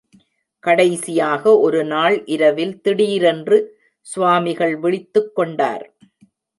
கடைசியாக ஒரு நாள் இரவில் திடீரென்று சுவாமிகள் விழித்துக் கொண்டார்.